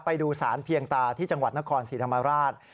ไปดูสารเพียงตาที่จังหวัดนครศรีธรรมราช